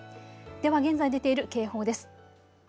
では現在出ている警報です。